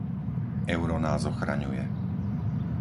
Euro nás ochraňuje.